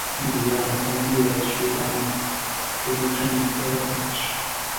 利比亚还关闭了叙当局驻的黎波里的大使馆。